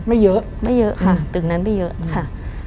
ไม่เยอะไม่เยอะค่ะตึกนั้นไม่เยอะค่ะ